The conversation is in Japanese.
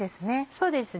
そうですね